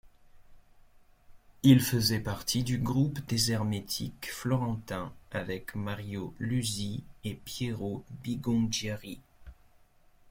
Il faisait partie du groupe des hermétiques florentins, avec Mario Luzi et Piero Bigongiari.